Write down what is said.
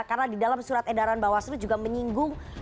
karena di dalam surat edaran bawaslu juga menyinggung